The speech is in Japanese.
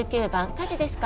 火事ですか？